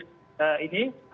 kalau tidak saya kira